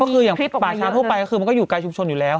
ก็คืออย่างป่าช้าทั่วไปก็คือมันก็อยู่ไกลชุมชนอยู่แล้ว